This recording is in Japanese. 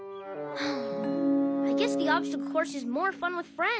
はあ。